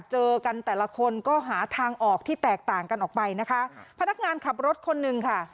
เจอกันแต่ละคนก็หาทางออกที่แตกต่างกันออกไปนะคะพนักงานขับรถคนหนึ่งค่ะ